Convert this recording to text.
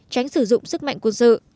tránh sử dụng sức mạnh quân sự